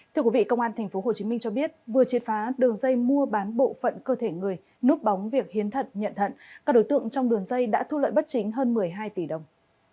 thưa quý vị công an tp hcm cho biết vừa triệt phá đường dây mua bán bộ phận cơ thể người núp bóng việc hiến thận nhận thận các đối tượng trong đường dây đã thu lợi bất chính hơn một mươi hai tỷ đồng